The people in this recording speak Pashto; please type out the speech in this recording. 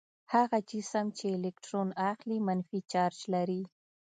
هغه جسم چې الکترون اخلي منفي چارج لري.